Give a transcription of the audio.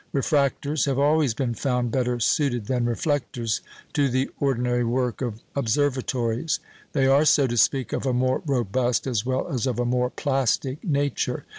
Refractors have always been found better suited than reflectors to the ordinary work of observatories. They are, so to speak, of a more robust, as well as of a more plastic nature.